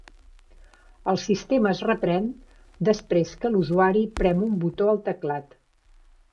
El sistema es reprèn després que l"usuari prem un botó al teclat.